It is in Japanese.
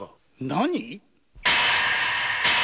何！？